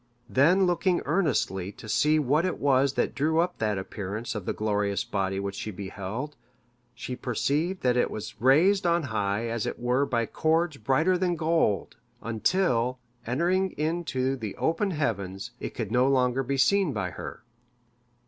Then looking earnestly to see what it was that drew up that appearance of the glorious body which she beheld, she perceived that it was raised on high as it were by cords brighter than gold, until, entering into the open heavens, it could no longer be seen by her.